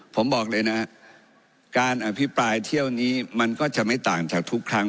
ผมบอกเลยนะการอภิปรายเที่ยวนี้มันก็จะไม่ต่างจากทุกครั้ง